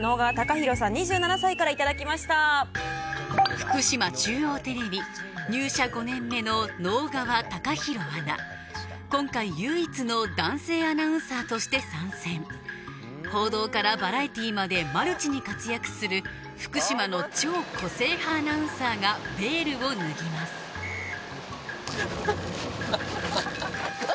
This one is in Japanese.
福島中央テレビ入社５年目の今回唯一の男性アナウンサーとして参戦報道からバラエティーまでマルチに活躍する福島の超個性派アナウンサーがベールを脱ぎますあっあっ。